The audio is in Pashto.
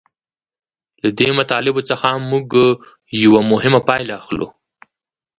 له دې مطالبو څخه موږ یوه مهمه پایله اخلو